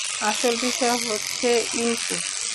আসল বিষয় হচ্ছে ইনপুট।